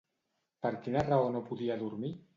Per quina raó no podia dormir?